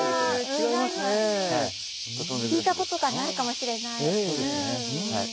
聞いたことがないかもしれない。